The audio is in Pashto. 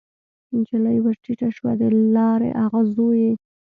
نجلۍ ورټیټه شوه د لار اغزو یې